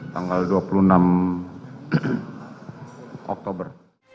tanggal dua puluh enam oktober